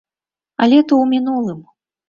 Але то ў мінулым.